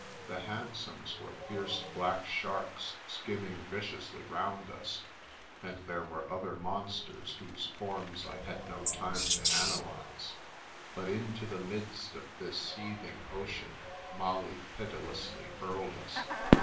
The hansoms were fierce black sharks skimming viciously round us, and there were other monsters whose forms I had no time to analyse ; but into the midst of this seething ocean Molly pitilessly hurled us.